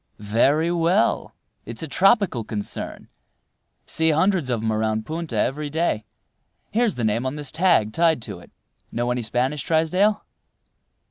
"Very well. It's a tropical concern. See hundreds of 'em around Punta every day. Here's the name on this tag tied to it. Know any Spanish, Trysdale?"